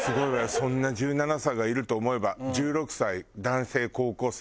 そんな１７歳がいると思えば１６歳男性高校生。